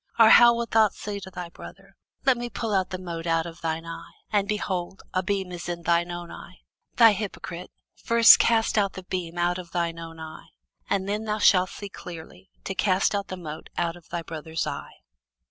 Or how wilt thou say to thy brother, Let me pull out the mote out of thine eye; and, behold, a beam is in thine own eye? Thou hypocrite, first cast out the beam out of thine own eye; and then shalt thou see clearly to cast out the mote out of thy brother's eye.